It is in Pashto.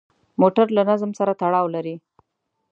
موټر له نظم سره تړاو لري.